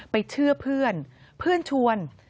เชื่อเพื่อนเพื่อนชวน